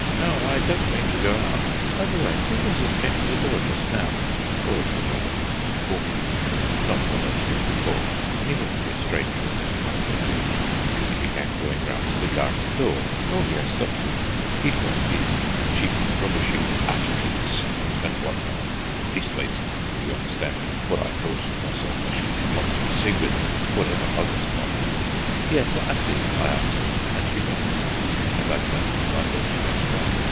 "No, I don't mean to go out. By the way, who was it came to the door just now?" "Oh, it was one of these 'awking men, not one I've seen before, and he must be a stranger in this part, I think, because he began going round to the garden door, only I stopped him. He'd got these cheap rubbishing 'atpins and what not; leastways, if you understand me, what I thought to myself I shouldn't like to be seen with 'em, whatever others might." "Yes, I see," I answered; and she went, and I turned to my books once more.